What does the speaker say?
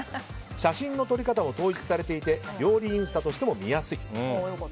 写真の撮り方も統一されていて料理インスタとしても見やすい。